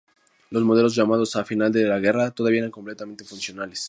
Los modelos llamados "final de la guerra" todavía eran completamente funcionales.